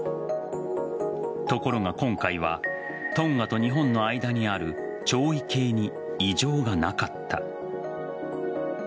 ところが今回はトンガと日本の間にある潮位計に異常がなかった。